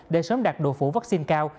để sớm đạt độ phủ vaccine cao